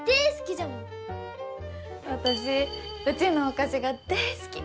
私うちのお菓子が大好き。